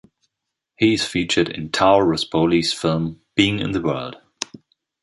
He is featured in Tao Ruspoli's film "Being in the World".